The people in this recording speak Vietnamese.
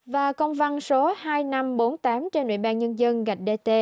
và công văn số hai nghìn năm trăm bốn mươi tám trên ủy ban nhân dân gạch dt